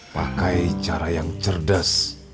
pakai cara yang cerdas